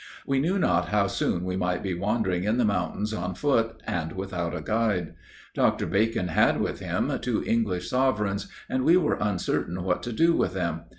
We knew not how soon we might be wandering in the mountains on foot, and without a guide. Dr. Bacon had with him two English sovereigns, and we were uncertain what to do with them.